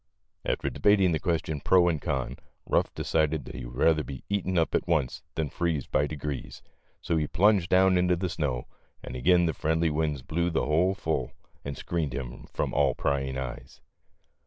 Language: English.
After debating the question pro and con, Ruff decided that he would rather be eaten up at once than to freeze by degrees, so he plunged down into the snow, and again the friendly winds blew the hole full and screened him from all prying eyes.